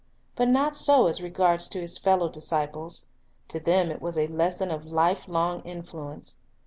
But not so as regards his fellow disciples. To them it was a lesson of lifelong influence.